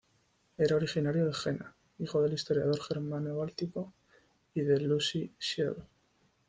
Era originario de Jena, hijo del historiador germano-báltico y de Lucie Schiele.